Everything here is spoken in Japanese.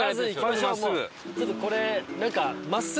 ちょっとこれなんか。